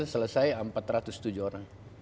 selesai empat ratus tujuh orang